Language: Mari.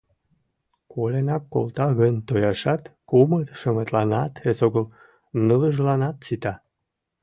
Коленак колта гын, тояшат, кумыт-шымытланат, эсогыл ныллыжланат сита.